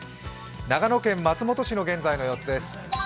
長野県松本市の現在の様子です。